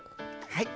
はい。